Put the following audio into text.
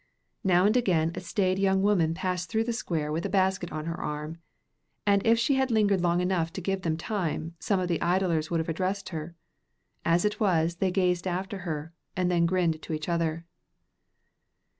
Now and again a staid young woman passed through the square with a basket on her arm, and if she had lingered long enough to give them time, some of the idlers would have addressed her, As it was, they gazed after her, and then grinned to each other.